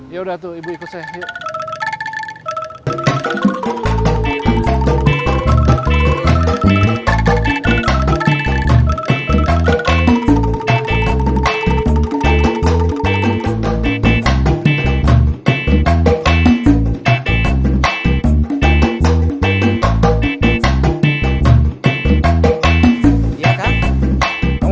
yaudah tuh ibu ikut saya